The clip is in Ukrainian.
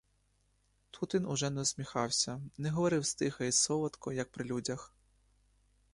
Тут він уже не усміхався, не говорив стиха і солодко, як при людях.